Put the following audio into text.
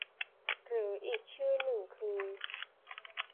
หรืออีกชื่อหนึ่งคือ